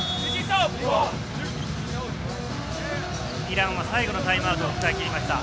イランは最後のタイムアウトを使い切りました。